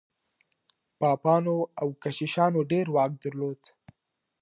پاپانو او کشیشانو ډېر واک درلود.